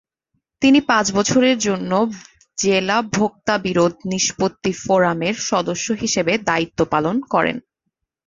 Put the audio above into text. তিনি পাঁচ বছরের জন্য জেলা ভোক্তা বিরোধ নিষ্পত্তি ফোরামের সদস্য হিসাবে দায়িত্ব পালন করেন।